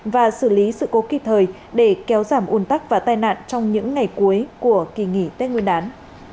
và xử lý sự cố kịp thời để kéo giảm un tắc và tai nạn trong những ngày cuối của kỳ nghỉ tết nguyên đán